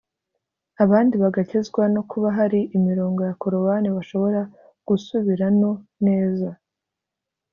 abandi bagakizwa no kuba hari imirongo ya Korowani bashobora gusubirano neza